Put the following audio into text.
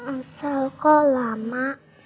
omsal kok lama